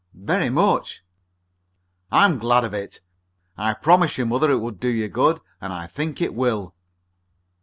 "Very much." "I'm glad of it. I promised your mother it would do you good, and I think it will."